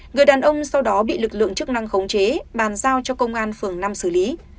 người đàn ông sau đó bị lực lượng chức năng khống chế bàn giao cho công an phường năm xử lý